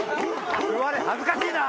座れ恥ずかしいな！